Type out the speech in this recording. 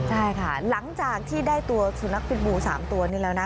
ใช่ค่ะหลังจากที่ได้ตัวสุนัขพิษบู๓ตัวนี้แล้วนะ